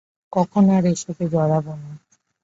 কখনো আর এসবে জড়াবো না!